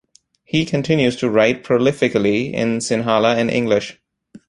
He continues to write prolifically in Sinhala and English.